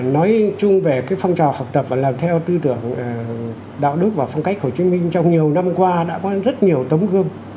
nói chung về phong trào học tập và làm theo tư tưởng đạo đức và phong cách hồ chí minh trong nhiều năm qua đã có rất nhiều tấm gương